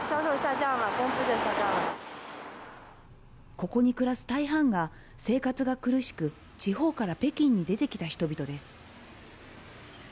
ここに暮らす大半が、生活が苦しく、地方から北京に出てきた人々です。